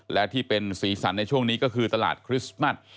และที่เป็นสีสันในช่วงนี้ก็คือตลาดคริสต์มัส